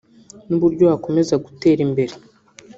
n’uburyo wakomeza gutera imbere